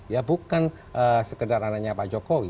ya bukan sekedar anaknya pak jokowi